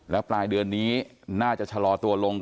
แล้วปลายเดือนนี้น่าจะชะลอตัวลง